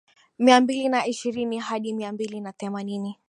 Mia mbili na ishirini hadi mia mbili na themanini